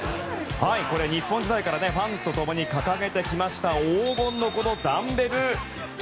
これ、日本時代からファンと共に掲げてきました黄金のダンベル！